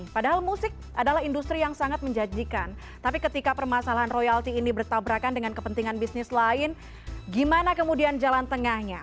padahal musik adalah industri yang sangat menjanjikan tapi ketika permasalahan royalti ini bertabrakan dengan kepentingan bisnis lain gimana kemudian jalan tengahnya